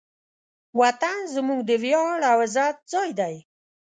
وطن زموږ د ویاړ او عزت ځای دی.